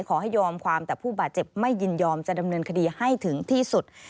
ขอให้ยอมความแต่ผู้บาดเจ็บไม่ยินยอมจะดำเนินคดีให้ถึงที่สุด